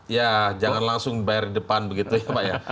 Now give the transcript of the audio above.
ya jangan langsung bayar di depan begitu ya pak ya